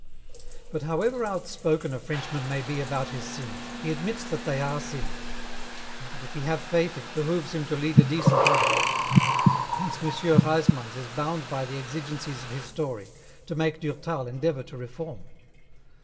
But however outspoken a Frenchman may be about his sins, he admits that they are sins, and that if he have Faith it behoves him to lead a decent life. Hence M. Huysmans. is bound by the exigencies of his story to make Durtal endeavour to reform.